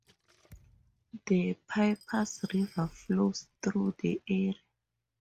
The Pipers River flows through the area.